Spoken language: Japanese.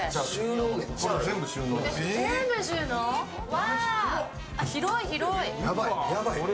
わー、あっ、広い、広い。